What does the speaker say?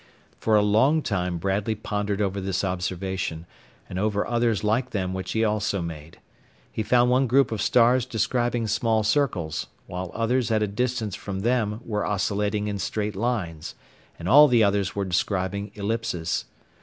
For a long time Bradley pondered over this observation, and over others like them which he also made. He found one group of stars describing small circles, while others at a distance from them were oscillating in straight lines, and all the others were describing ellipses.